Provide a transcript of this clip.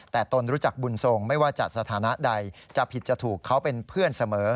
แต่ตนรู้จักบุญทรงไม่ว่าจะสถานะใดจะผิดจะถูกเขาเป็นเพื่อนเสมอ